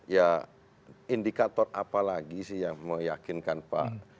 ya indikator apa lagi sih yang meyakinkan pak